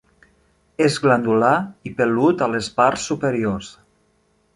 És glandular i pelut a les parts superiors.